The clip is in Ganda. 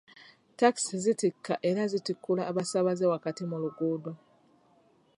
Takisi zitikka era ne zitikkula abasaabaze wakati mu luguudo.